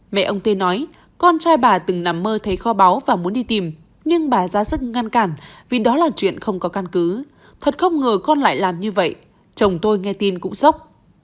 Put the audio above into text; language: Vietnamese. mẹ ông tê nói con trai bà từng nằm mơ thấy kho báu và muốn đi tìm nhưng bà ra rất ngăn cản vì đó là chuyện không có căn cứ thật không ngờ con lại làm như vậy chồng tôi nghe tin cũng sốc